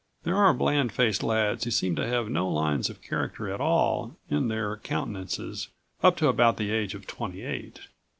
There are bland faced lads who seem to have no lines of character at all in their countenances up to about the age of twenty eight.